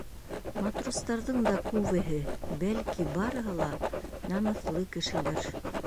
Матростарҙың да күбеһе, бәлки, барыһы ла, намыҫлы кешелер.